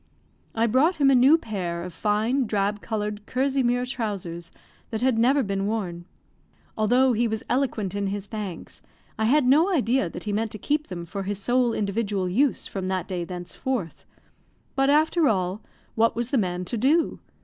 I brought him a new pair of fine, drab colored kersey mere trousers that had never been worn. Although he was eloquent in his thanks, I had no idea that he meant to keep them for his sole individual use from that day thenceforth. But after all, what was the man to do?